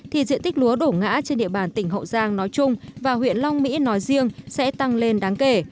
thì diện tích lúa đổ ngã trên địa bàn tỉnh hậu giang nói chung và huyện long mỹ nói riêng sẽ tăng lên đáng kể